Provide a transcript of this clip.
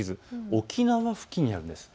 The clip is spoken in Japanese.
沖縄付近にあるんです。